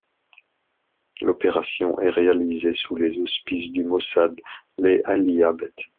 L'opération est réalisée sous les auspices du Mossad Le'aliyah Bet.